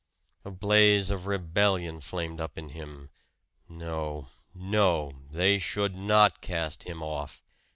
A blaze of rebellion flamed up in him. No, no they should not cast him off!